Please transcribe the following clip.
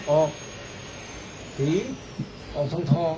ออกสีออกทองทอง